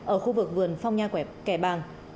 ở khu vực vườn phong nha kẻ bàng